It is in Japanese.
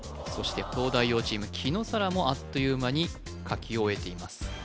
そして東大王チーム紀野紗良もあっという間に書き終えています